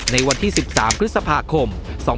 ในวันที่๑๓พฤษภาคม๒๕๖